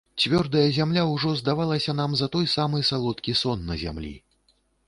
Цвёрдая зямля ўжо здавалася нам за той самы салодкі сон на зямлі.